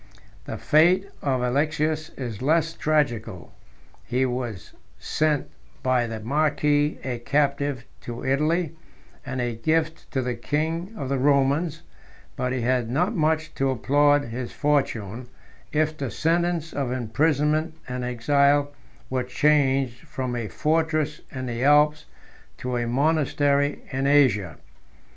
19 The fate of Alexius is less tragical: he was sent by the marquis a captive to Italy, and a gift to the king of the Romans; but he had not much to applaud his fortune, if the sentence of imprisonment and exile were changed from a fortress in the Alps to a monastery in Asia.